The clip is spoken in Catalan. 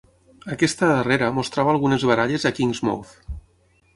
Aquesta darrera mostrava algunes baralles a Kingsmouth.